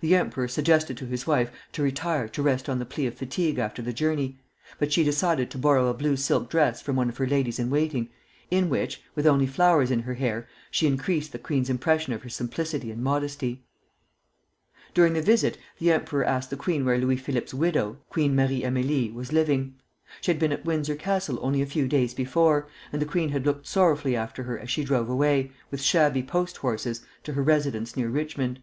The emperor suggested to his wife to retire to rest on the plea of fatigue after the journey, but she decided to borrow a blue silk dress from one of her ladies in waiting, in which, with only flowers in her hair, she increased the queen's impression of her simplicity and modesty. During the visit the emperor asked the queen where Louis Philippe's widow, Queen Marie Amélie, was living. She had been at Windsor Castle only a few days before, and the queen had looked sorrowfully after her as she drove away, with shabby post horses, to her residence near Richmond.